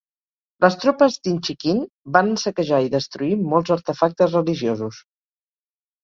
Les tropes d'Inchiquin varen saquejar i destruir molts artefactes religiosos.